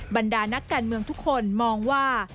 บรรดานักการเมืองทุกคนมองว่า